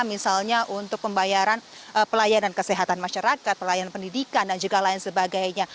misalnya untuk pembayaran pelayanan kesehatan masyarakat pelayanan pendidikan dan juga lain sebagainya